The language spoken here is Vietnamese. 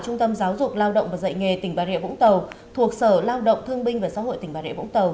trung tâm giáo dục lao động và dạy nghề tỉnh bà rịa vũng tàu thuộc sở lao động thương binh và xã hội tỉnh bà rịa vũng tàu